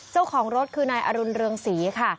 เจ้าของรถคือนายอรุณเรืองศรีค่ะ